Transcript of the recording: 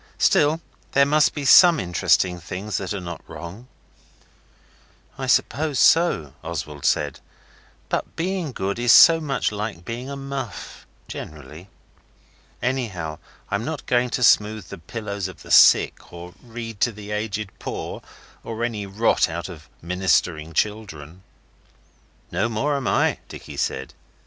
Still, there must be SOME interesting things that are not wrong.' 'I suppose so,' Oswald said, 'but being good is so much like being a muff, generally. Anyhow I'm not going to smooth the pillows of the sick, or read to the aged poor, or any rot out of Ministering Children.' 'No more am I,' Dicky said.